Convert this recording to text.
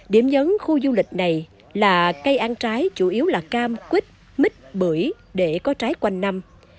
điểm nhấn khu du lịch này là cây ăn trái chủ yếu là cam quýt mít bưởi để có trái quanh năm